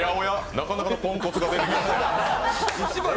なかなかのポンコツが出てきた。